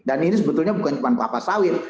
dan ini sebetulnya bukan cuma kelapa sawit